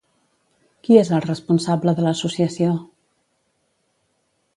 Qui és el responsable de l'associació?